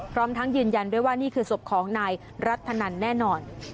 พร้อมทั้งยืนยันด้วยว่านี่คือศพของนายรัฐนันแน่นอน